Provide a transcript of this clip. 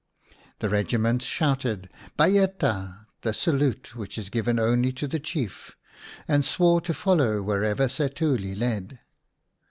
The regiments shouted " Bay eta," the salute which is given only to the Chief, and swore to follow wherever Setuli led.